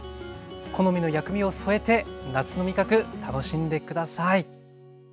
好みの薬味を添えて夏の味覚楽しんで下さい。